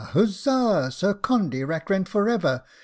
huzza! Sir Condy Rackrent for ever!